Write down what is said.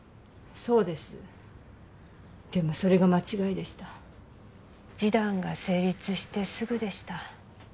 そうですでもそれが間違いでした示談が成立してすぐでした